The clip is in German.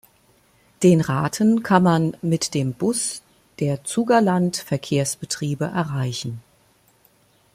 Den Raten kann man mit dem Bus der Zugerland Verkehrsbetriebe erreichen.